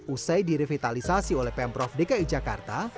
usai direvitalisasi oleh pemprov dki jakarta